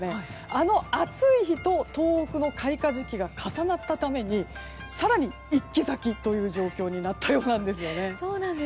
あの暑い日と東北の開花時期が重なったため更に一気咲きという状況になったようなんです。